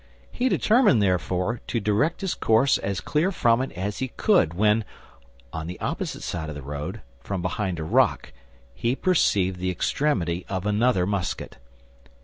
He determined, therefore, to direct his course as clear from it as he could when, on the opposite side of the road, from behind a rock, he perceived the extremity of another musket.